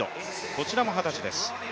こちらも二十歳です。